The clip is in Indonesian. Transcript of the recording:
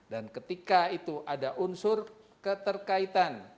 dan ketika itu ada unsur keterkaitan